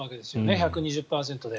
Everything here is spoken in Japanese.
１２０％で。